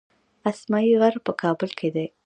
اسمايي غر په کابل کې دی